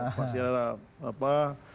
pasti ada apa